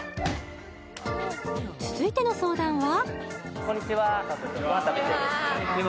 続いての相談は？